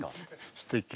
すてき。